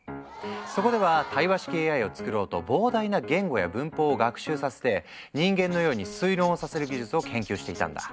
そこでは対話式ＡＩを作ろうと膨大な言語や文法を学習させて人間のように推論をさせる技術を研究していたんだ。